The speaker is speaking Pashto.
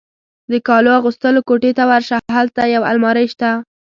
د کالو اغوستلو کوټې ته ورشه، هلته یو المارۍ شته.